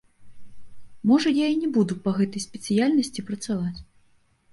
Можа, я і не буду па гэтай спецыяльнасці працаваць.